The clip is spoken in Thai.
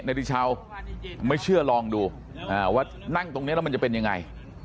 ดิชาวไม่เชื่อลองดูว่านั่งตรงนี้แล้วมันจะเป็นยังไง